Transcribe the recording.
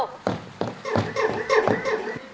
กลับไปแล้ว